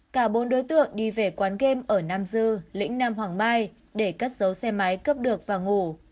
cả bốn đối tượng đi về quán game ở nam dư lĩnh nam hoàng mai để cất dấu xe máy cướp được và ngủ